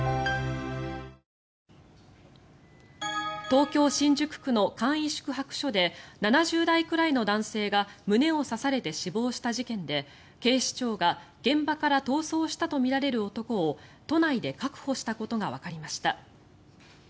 東京・新宿区の簡易宿泊所で７０代くらいの男性が胸を刺されて死亡した事件で警視庁が現場から逃走したとみられる男を都内で確保したことがわかりました。